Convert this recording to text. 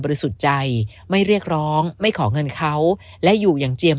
สุดใจไม่เรียกร้องไม่ขอเงินเขาและอยู่อย่างเจียม